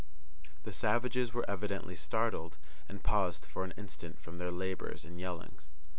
The savages were evidently startled, and paused for an instant from their labours and yellings.